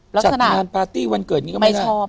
จัดงานปาร์ตี้วันเกิดนี้ก็ไม่ได้